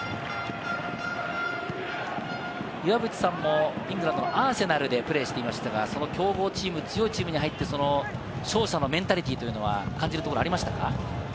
岩渕さんもイングランドのアーセナルでプレーしていましたが、その強豪チームに入って勝者のメンタリティーというのは感じるところはありましたか？